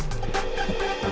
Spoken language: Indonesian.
cepet pulih ya